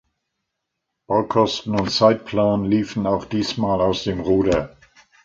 Baukosten und Zeitplan liefen auch diesmal aus dem Ruder.